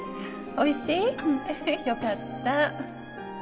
おいしい？よかった